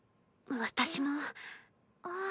私も。